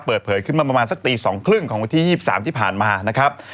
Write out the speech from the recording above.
เปิดเผยขึ้นมาประมาณสักตี๒๓๐ของวันที่๒๓ที่ผ่านมานะครับ